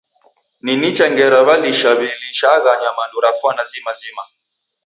Ni nicha ngera w'alisha w'ilishagha nyamandu ra fwana zima zima.